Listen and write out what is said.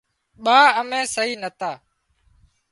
ٻا امين سهي نتا